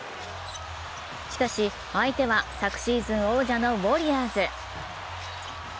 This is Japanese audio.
しかし、相手は昨シーズン王者のウォリアーズ。